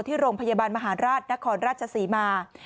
ที่โรงพยาบาลมหาราชนครราชศรีมา